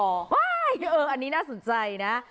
อ๋ออีกอันนี้น่าสนใจนะ